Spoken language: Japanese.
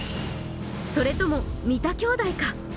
それとも三田兄弟か？